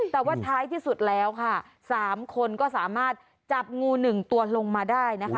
แต่ว่าท้ายที่สุดแล้วค่ะ๓คนก็สามารถจับงู๑ตัวลงมาได้นะคะ